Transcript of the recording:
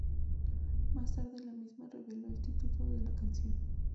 Más tarde la misma reveló el título de la canción.